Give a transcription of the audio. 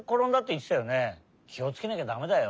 きをつけなきゃだめだよ。